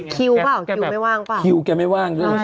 คิวแบบคิวแกไม่ว่าง